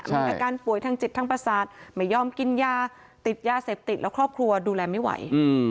มีอาการป่วยทางจิตทางประสาทไม่ยอมกินยาติดยาเสพติดแล้วครอบครัวดูแลไม่ไหว